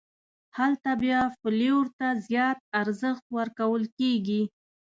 هلته بیا فلېور ته زیات ارزښت ورکول کېږي.